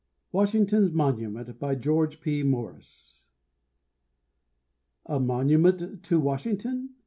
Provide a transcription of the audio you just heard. WASHINGTON'S MONUMENT. GEO. P. MORRIS. A monument to Washington?